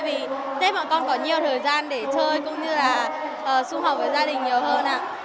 vì tết bọn con có nhiều thời gian để chơi cũng như là xung hợp với gia đình nhiều hơn ạ